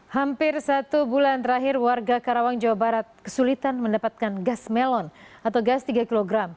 hampir satu bulan terakhir warga karawang jawa barat kesulitan mendapatkan gas melon atau gas tiga kg